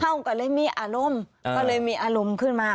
เราก็มีอารมณ์มีอารมณ์ขึ้นมา